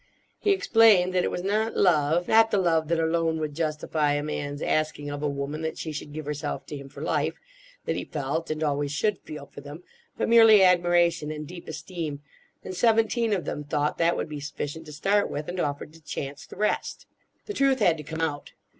He explained that it was not love—not the love that alone would justify a man's asking of a woman that she should give herself to him for life—that he felt and always should feel for them, but merely admiration and deep esteem; and seventeen of them thought that would be sufficient to start with, and offered to chance the rest. The truth had to come out.